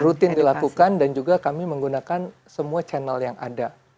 rutin dilakukan dan juga kami menggunakan semua channel yang ada